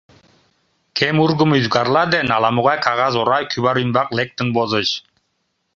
Кем ургымо ӱзгарла ден ала-могай кагаз ора кӱвар ӱмбак лектын возыч.